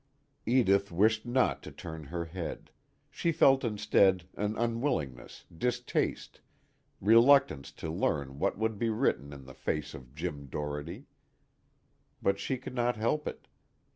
Edith wished not to turn her head; she felt instead an unwillingness, distaste, reluctance to learn what would be written in the face of Jim Doherty. But she could not help it.